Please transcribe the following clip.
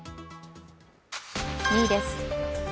２位です。